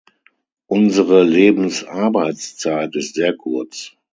Unsere Lebensarbeitszeit ist sehr kurz.